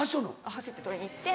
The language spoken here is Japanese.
走って取りに行って。